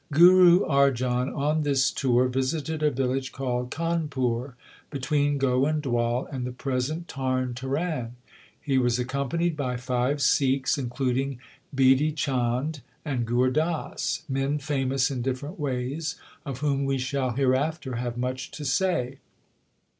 Guru Arjan on this tour visited a village called Khanpur, between Goindwal and the present Tarn Taran. He was accompanied by five Sikhs, including Bidhi Chand and Gur Das, men famous in different ways, of whom we shall hereafter have much to say.